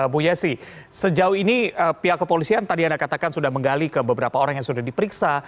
bu yesi sejauh ini pihak kepolisian tadi anda katakan sudah menggali ke beberapa orang yang sudah diperiksa